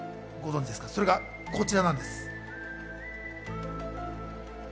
それがこちらなんです。